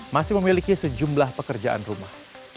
masih memiliki sejumlah pekerjaan rumah